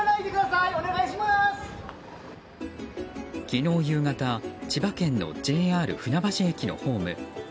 昨日夕方千葉県のＪＲ船橋駅のホーム。